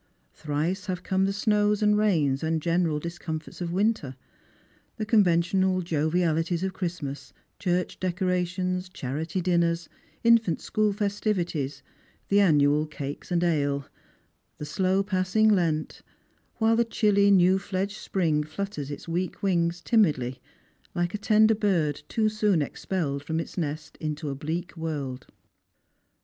Thrice have come the snows and rains Jiad general discomforts of winter — the conventional jovialities of Christmas, church decorations, charity dinners, infant school festivities, the annual cakes and ale, the slow passing Lent, while the chilly new fledged spring flutters its weak wings timidly, like a tender bird too soon expelled from its nest into a bleak world.